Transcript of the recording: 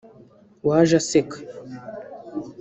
waje aseka